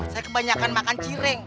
saya kebanyakan makan cireng